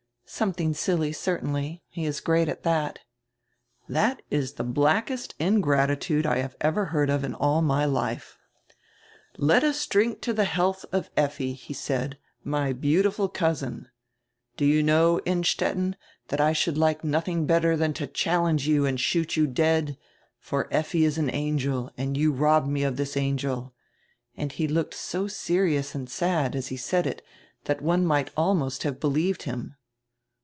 "Something silly, certainly. He is great at that." "That is the blackest ingratitude I have ever heard of in all my life." 'Let us drink to the health of Effi,' he said, 'my beautiful cousin — Do you know, Innstetten, that I should like nothing better than to challenge you and shoot you dead? For Effi is an angel, and you robbed me of this angel.' And he looked so serious and sad, as he said it, that one might almost have believed him."